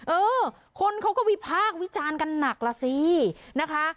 เออคนเขาก็วิพากษ์วิจารณ์กันหนักล่ะสินะคะ